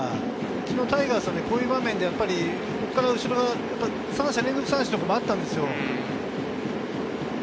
昨日タイガースはこういう場面で、３者連続三振とかもあったんですよ。